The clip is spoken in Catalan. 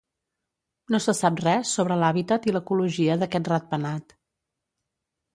No se sap res sobre l'hàbitat i l'ecologia d'aquest ratpenat.